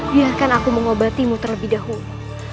biarkan aku mengobatimu terlebih dahulu